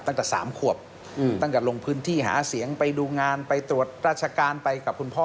ตั้งแต่๓ขวบตั้งแต่ลงพื้นที่หาเสียงไปดูงานไปตรวจราชการไปกับคุณพ่อ